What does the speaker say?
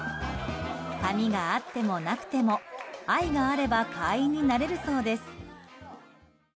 髪があってもなくても愛があれば会員になれるそうです。